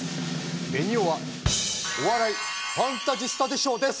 ベニオは「お笑いファンタジスタで賞」です！